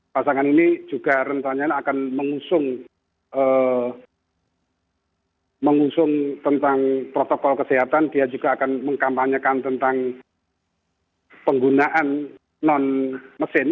pasangan ini juga rencananya akan mengusung tentang protokol kesehatan dia juga akan mengkampanyekan tentang penggunaan non mesin